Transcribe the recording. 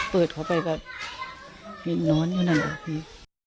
เปิดเข้าไปแบบเห็นน้อนอยู่นั่นนะกี่